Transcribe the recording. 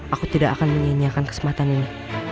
aku tidak akan menyianyiakan kesempatan ini